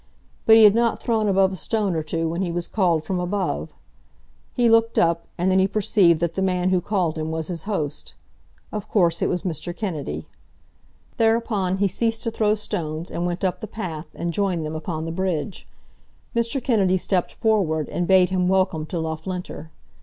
But he had not thrown above a stone or two when he was called from above. He looked up, and then he perceived that the man who called him was his host. Of course it was Mr. Kennedy. Thereupon he ceased to throw stones, and went up the path, and joined them upon the bridge. Mr. Kennedy stepped forward, and bade him welcome to Loughlinter.